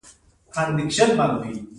که يو بل ته څه نه څه لار پرېږدي